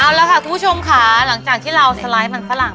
เอาละค่ะคุณผู้ชมค่ะหลังจากที่เราสไลด์มันฝรั่ง